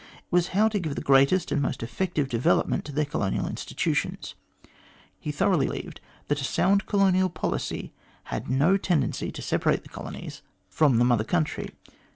It was how tor give the greatest and most effective development to their \ colonial institutions. He thoroughly believed that a sound colonial policy had no tendency to separate the colonies from Q 242 THE GLADSTONE COLONY the Mother Country.